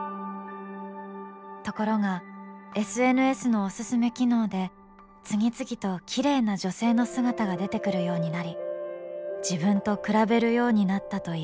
ところがＳＮＳのおすすめ機能で次々ときれいな女性の姿が出てくるようになり、自分と比べるようになったといいます。